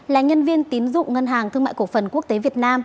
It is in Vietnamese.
là nhân viên tín dụng ngân hàng thương mại cổ phần quốc tế việt nam